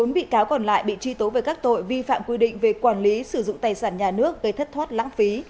một mươi bị cáo còn lại bị truy tố về các tội vi phạm quy định về quản lý sử dụng tài sản nhà nước gây thất thoát lãng phí